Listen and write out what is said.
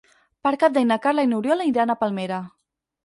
Per Cap d'Any na Carla i n'Oriol iran a Palmera.